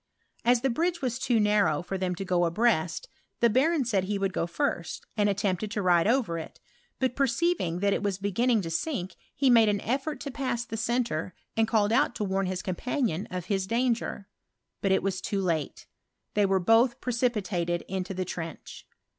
As the bridge was too narrow for them to go abreast, the baron said he would );o tlrst, and attempted to ride over it; but perceiving that it was beginning to sink, he made an «tibit to pass the centre, and called out to warn his compunion of Ids danger ; but it was too late : tbejt Wftrn liolh preeipitated into the trench.